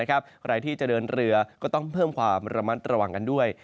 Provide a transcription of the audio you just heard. ใครที่จะเดินเรือก็ต้องเพิ่มความระมัดระวังกันด้วย